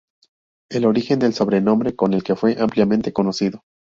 El origen del sobrenombre con el que fue ampliamente conocido.